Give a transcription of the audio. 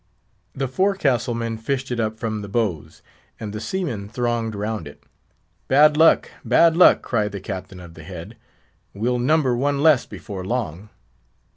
The forecastle men fished it up from the bows, and the seamen thronged round it. "Bad luck! bad luck!" cried the Captain of the Head; "we'll number one less before long."